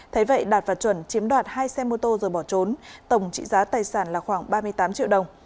thế vậy đạt và chuẩn chiếm đoạt hai xe mô tô rồi bỏ trốn tổng trị giá tài sản là khoảng ba mươi tám triệu đồng